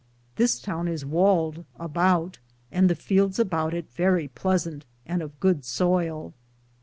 ^ This towne is waled aboute, and the feldes about it verrie pleasante, and of good soyle.